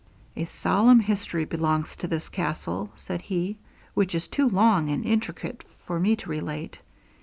'A solemn history belongs to this castle, said he, 'which is too long and intricate for me to relate.